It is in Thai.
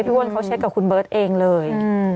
อ้วนเขาเช็คกับคุณเบิร์ตเองเลย